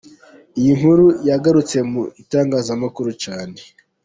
Iyi nkuru yagarutse mu itangazamakuru cyane.